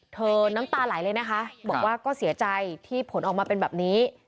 น้ำตาไหลเลยนะคะบอกว่าก็เสียใจที่ผลออกมาเป็นแบบนี้